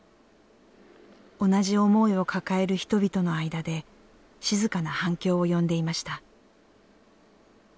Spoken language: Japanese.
同じ思いを抱える人々の間で静かな反響を呼んでいました。